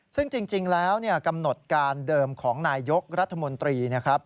ซึ่งจริงแล้วกำหนดการเดิมของนายยกรัฐมนตรีนะครับ